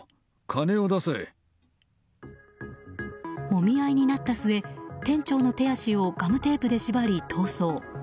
もみ合いになった末店長の手足をガムテープで縛り、逃走。